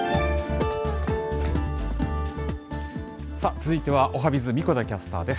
続いてはおはＢｉｚ、神子田キャスターです。